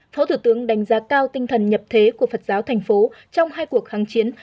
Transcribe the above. phó thủ tướng đánh giá cao tinh thần nhập thế của phật giáo thành phố trong hai cuộc kháng chiến